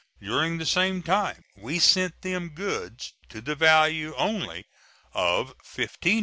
During the same time we sent them goods to the value only of $15,313,919.